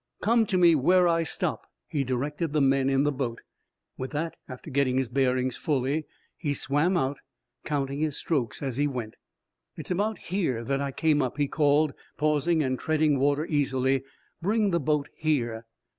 "Come to me where I stop," he directed the men in the boat. With that, after getting his bearings fully, he swam out, counting his strokes as he went. "It's about here that I came up," he called, pausing and treading water easily. "Bring the boat here."